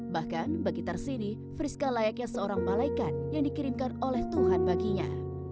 bahkan bagi tarsini friska layaknya seorang malaikat yang dikirimkan oleh tuhan baginya